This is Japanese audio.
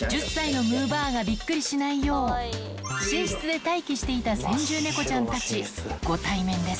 １０歳のむぅばあがびっくりしないよう、寝室で待機していた先住猫ちゃんたち、ご対面です。